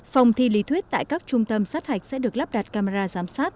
phòng thi lý thuyết tại các trung tâm sát hạch sẽ được lắp đặt camera giám sát